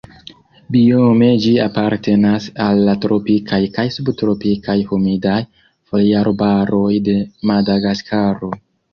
Biome ĝi apartenas al la tropikaj kaj subtropikaj humidaj foliarbaroj de Madagaskaro.